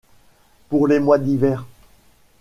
pour les mois d’hiver ?